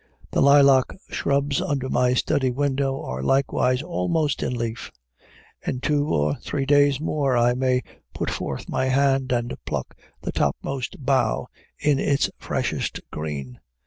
The lilac shrubs under my study windows are likewise almost in leaf; in two or three days more I may put forth my hand and pluck the topmost bough in its freshest green.